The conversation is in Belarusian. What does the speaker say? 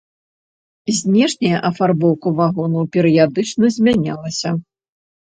Знешняя афарбоўка вагонаў перыядычна змянялася.